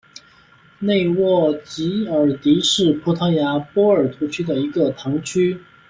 内沃吉尔迪是葡萄牙波尔图区的一个堂区。